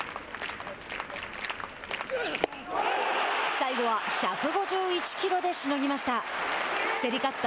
最後は１５１キロでしのぎました。